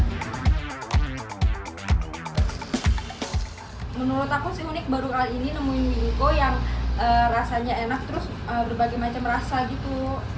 menurut aku sih unik baru kali ini nemuin mie ico yang rasanya enak terus berbagai macam rasa gitu